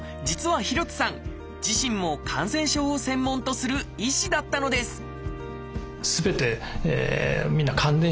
実は廣津さん自身も感染症を専門とする医師だったのです